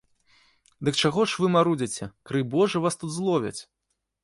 Дык чаго ж вы марудзіце, крый божа вас тут зловяць?